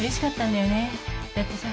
だってさ